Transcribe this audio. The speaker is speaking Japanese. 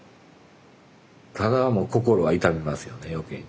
ただもう心が痛みますよね余計に。